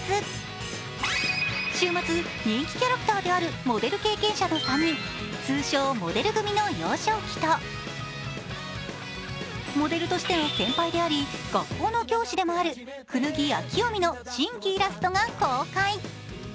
週末、人気キャラクターであるモデル経験者の３人、通称・モデル組の幼少期とモデルとしての先輩であり、学校の教師でもある椚章臣の新規イラストが公開。